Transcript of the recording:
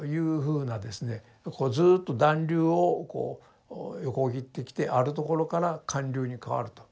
こうずっと暖流をこう横切ってきてあるところから寒流に変わると。